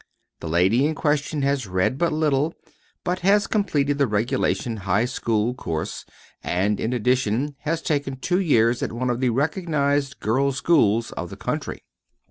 The lady in question has read but little, but has completed the regulation high school course and in addition has taken two years at one of the recognized girls' schools of the country."